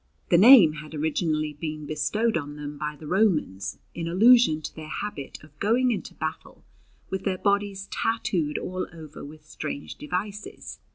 The name had originally been bestowed on them by the Romans in allusion to their habit of going into battle with their bodies tattooed all over with strange devices.